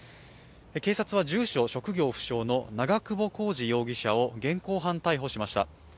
警察は住所・職業不詳の長久保浩二容疑者を現行犯逮捕しました。